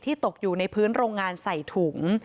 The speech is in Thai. ตกอยู่ในพื้นโรงงานใส่ถุง